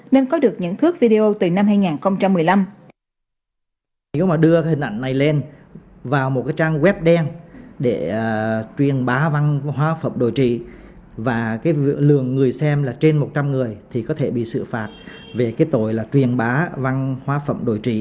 nên có được những thước video từ năm hai nghìn một mươi năm